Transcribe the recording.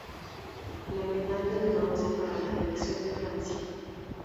La medalla de bronce para la selección de Francia.